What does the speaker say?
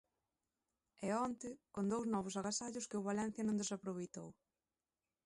E onte, con dous novos agasallos que o Valencia non desaproveitou.